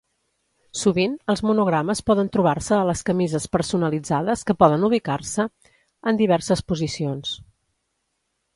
Sovint els monogrames poden trobar-se a les camises personalitzades que poden ubicar-se en diverses posicions.